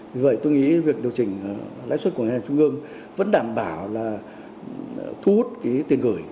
vì vậy tôi nghĩ việc điều chỉnh lãi suất của ngân hàng trung ương vẫn đảm bảo là thu hút cái tiền gửi